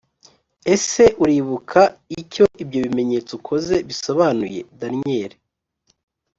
……. ese uribuka icyo ibyo bimenyetso ukoze bisobanuye daniel!’